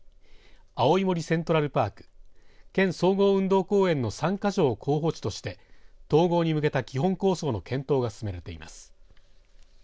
青い森セントラルパーク県総合運動公園の３か所を候補地として統合に向けた基本構想の検討が進められています。